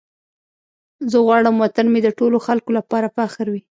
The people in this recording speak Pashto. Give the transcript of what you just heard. زه غواړم وطن مې د ټولو خلکو لپاره فخر وي.